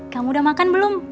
kamu udah makan belum